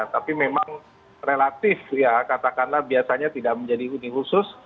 tapi memang relatif ya katakanlah biasanya tidak menjadi huni khusus